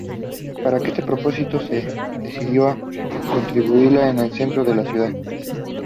Para este propósito, se decidió a construirla en el centro de la ciudad.